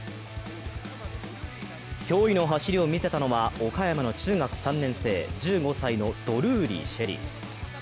驚異の走りを見せたのは、岡山の中学３年生、１５歳のドルーリー・朱瑛里。